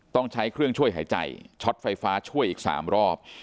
ต้องใช้เครื่องช่วยหายใจช็อตไฟฟ้าช่วยอีก๓รอบ